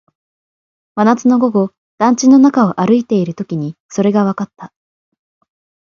真夏の午後、団地の中を歩いているときにそれがわかった